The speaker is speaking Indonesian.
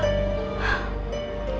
aku akan mengingat pesan guru